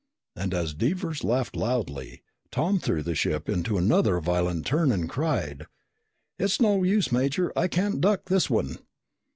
And as Devers laughed loudly, Tom threw the ship into another violent turn and cried, "It's no use, Major. I can't duck this one!"